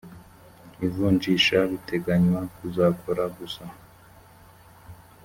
ivunjisha biteganywa kuzakora gusa